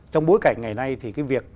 trong bối cảnh ngày nay thì cái việc